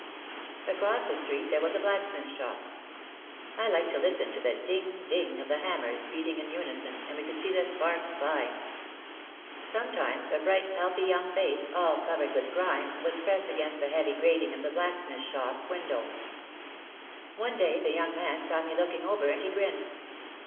Across the street there was a blacksmith shop. I liked to listen to the ding, ding of the hammers beating in unison and we could see the sparks flying. Sometimes a bright, healthy, young face, all covered with grime, was pressed against the heavy grating of the blacksmith shop OUT OF THE SHADOW 187 window. One day the young man saw me looking over and he grinned.